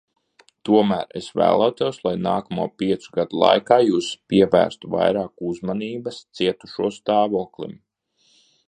Tomēr es vēlētos, lai nākamo piecu gadu laikā jūs pievērstu vairāk uzmanības cietušo stāvoklim.